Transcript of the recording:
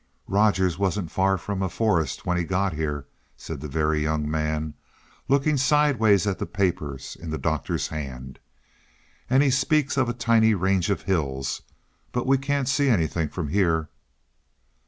"Rogers wasn't far from a forest when he got here," said the Very Young Man, looking sidewise at the papers in the Doctor's hand. "And he speaks of a tiny range of hills; but we can't see anything from here."